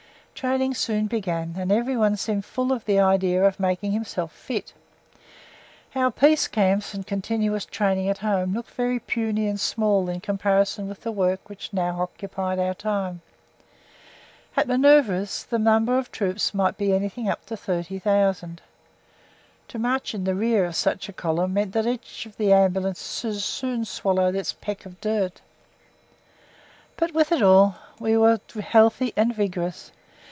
Training soon began, and everyone seemed full of the idea of making himself "fit." Our peace camps and continuous training at home look very puny and small in comparison with the work which now occupied our time. At manoeuvres the number of troops might be anything up to thirty thousand. To march in the rear of such a column meant that each of the Ambulances soon swallowed its peck of dirt. But with it all we were healthy and vigorous.